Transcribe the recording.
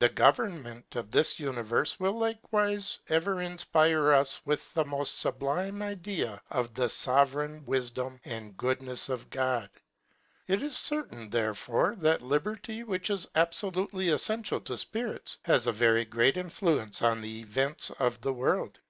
The government of this univerfe will likcwife ever infpire us with the moil fublime idea of the fo vereign wifdom and goodnefs of God. It is certain, therefore, that liberty, which is abfo lutely effential to fpirits, has a very great influence on the events of the world.